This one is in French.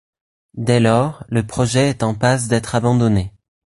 Dès lors, le projet est en passe d'être abandonné.